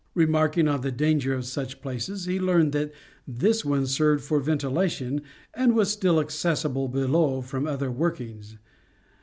Remarking on the danger of such places, he learned that this one served for ventilation, and was still accessible below from other workings.